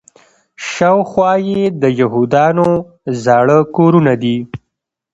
شاوخوا یې د یهودانو زاړه کورونه دي.